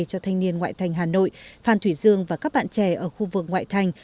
cho thanh niên ngoại thành hà nội phan thủy dương và các bạn trẻ ở khu vực ngoại thành